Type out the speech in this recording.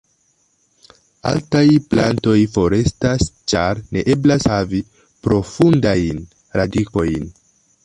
Altaj plantoj forestas ĉar ne eblas havi profundajn radikojn.